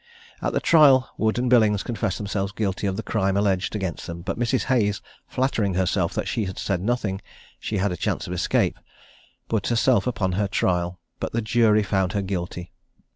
At the trial Wood and Billings confessed themselves guilty of the crime alleged against them; but Mrs. Hayes, flattering herself that as she had said nothing, she had a chance of escape, put herself upon her trial; but the jury found her guilty.